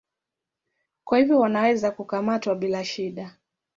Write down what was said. Kwa hivyo wanaweza kukamatwa bila shida.